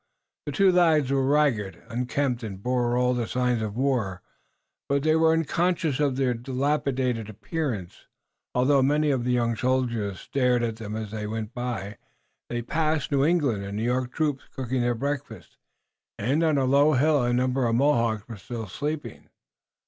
The two lads were ragged, unkempt, and bore all the signs of war, but they were unconscious of their dilapidated appearance, although many of the young soldiers stared at them as they went by. They passed New England and New York troops cooking their breakfast, and on a low hill a number of Mohawks were still sleeping.